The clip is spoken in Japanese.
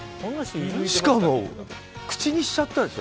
しかも口にしちゃったんですよ